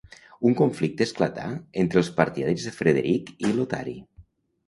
Un conflicte esclatà entre els partidaris de Frederic i Lotari.